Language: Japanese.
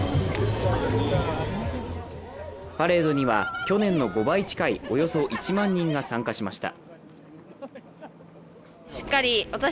パレードには去年の５倍近いおよそ１万人が参加しました。